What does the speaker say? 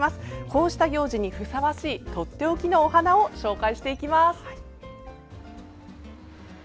こうした行事にふさわしいとっておきのお花を紹介していきます。